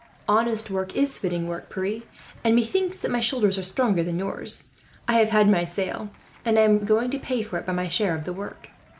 "Honest work is fitting work, Pierre, and methinks that my shoulders are stronger than yours. I have had my sail, and I am going to pay for it by my share of the work."